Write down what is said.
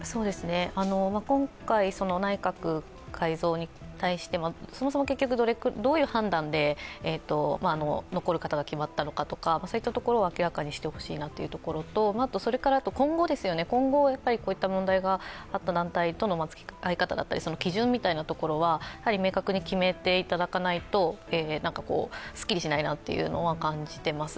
今回、内閣改造に対してそもそもどういう判断で残る方が決まったのかそういったところを明らかにしてほしいなというところと、それから今後、こういった問題があった団体とのつきあい方だったりとか、基準みたいなところは明確に決めていただかないとすっきりしないなというのは感じています。